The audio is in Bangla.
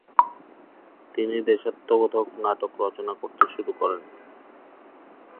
তিনি দেশাত্মবোধক নাটক রচনা করতে শুরু করেন।